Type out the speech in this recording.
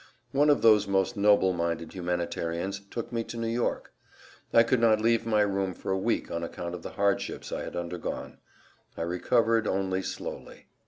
One of those most noble minded humanitarians took me to New York. I could not leave my room for a week on account of the hardships I had undergone; I recovered only slowly.